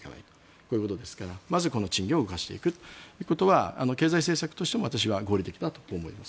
こういうことですからまず賃金を動かしていくことは経済政策としても私は合理的だと思います。